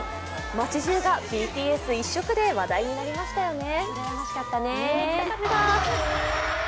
街じゅうがＢＴＳ一色で話題になりましたよね。